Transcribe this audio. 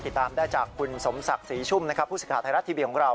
ติดตามได้จากคุณสมศักดิ์ศรีชุ่มผู้ศึกษาไทยรัตน์ทีวีของเรา